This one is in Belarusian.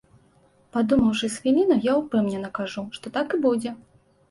Падумаўшы з хвіліну, я ўпэўнена кажу, што так і будзе.